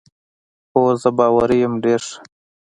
هو، زه باوري یم، ډېر ښه.